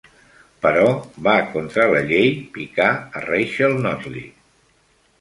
Però va contra la llei picar a Rachel Notley.